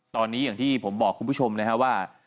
ตอนนี้อย่างที่ผมบอกคุณผู้ชมนะครับว่า